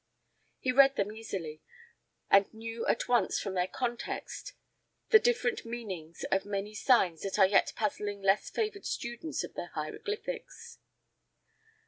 He read them easily, and knew at once from their context the different meanings of many signs that are yet puzzling less favored students of the hieroglyphics.